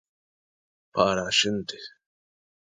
Para a xente.